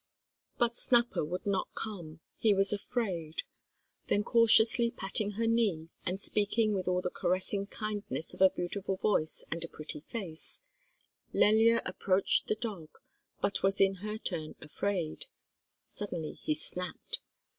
But Snapper would not come; he was afraid. Then cautiously patting her knee, and speaking with all the caressing kindness of a beautiful voice and a pretty face, Lelya approached the dog, but was in her turn afraid; suddenly he snapped.